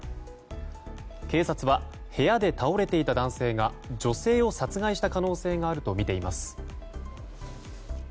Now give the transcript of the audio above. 警察は部屋で倒れいていた男性が女性を殺害した可能性があるとみています。